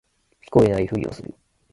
聞こえないふりをする